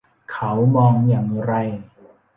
เขามองอย่างไร